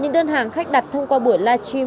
những đơn hàng khách đặt thông qua buổi live stream